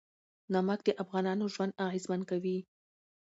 نمک د افغانانو ژوند اغېزمن کوي.